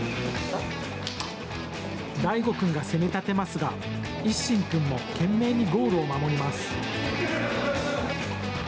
大護君が攻めたてますが一心君も懸命にゴールを守ります。